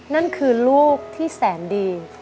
นั่นคือลูกที่แสนดี